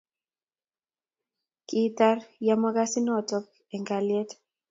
kiitar ya makasinsot eng' kalyet